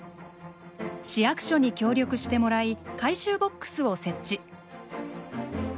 市役所に協力してもらい回収ボックスを設置。